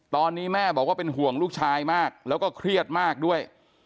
ตอนนี้แม่บอกว่าเป็นห่วงลูกชายมากแล้วก็เครียดมากด้วย